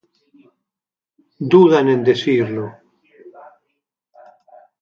dudan en decirlo